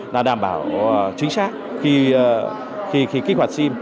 là đảm bảo chính xác khi kích hoạt sim